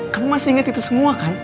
kamu masih ingat itu semua kan